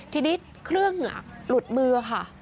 ทีนี้เครื่องหลุดมือค่ะ